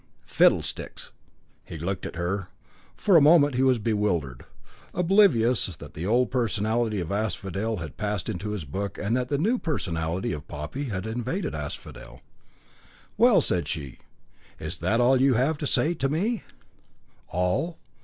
"Fiddlesticks." He looked at her. For the moment he was bewildered, oblivious that the old personality of Asphodel had passed into his book and that the new personality of Poppy had invaded Asphodel. "Well," said she, "is that all you have to say to me?" "All?